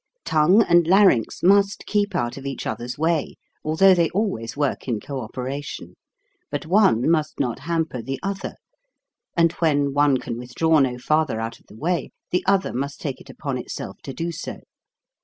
Tongue and larynx must keep out of each other's way, although they always work in cooperation ; but one must not hamper the other, and when one can withdraw no farther out of the way, the other must take it upon 189 190 HOW TO SING itself to do so.